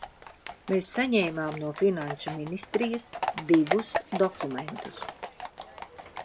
Mēs saņēmām no Finanšu ministrijas divus dokumentus.